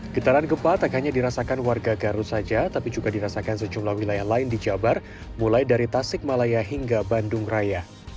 getaran gempa tak hanya dirasakan warga garut saja tapi juga dirasakan sejumlah wilayah lain di jabar mulai dari tasik malaya hingga bandung raya